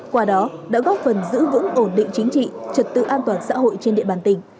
qua đó đã góp phần giữ vững ổn định chính trị trật tự an toàn xã hội trên địa bàn tỉnh